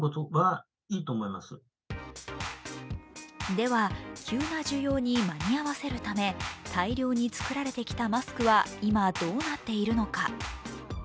では、急な需要に間に合わせるため大量に作られてきたマスクは今どうなっているのか。